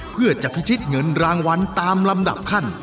เพื่อจะพิชิตเงินรางวัลตามลำดับขั้น